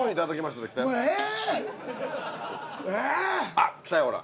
あっきたよほら。